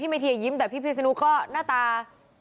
พี่ไมธียิ้มแต่พี่สนุก็หน้าตา